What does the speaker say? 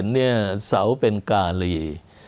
เนี่ยเสาเป็นกาลี